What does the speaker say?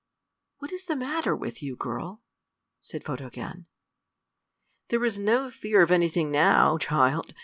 "What is the matter with you, girl?" said Photogen. "There is no fear of anything now, child.